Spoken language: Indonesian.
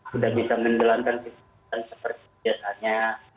sudah bisa menjalankan kegiatan seperti biasanya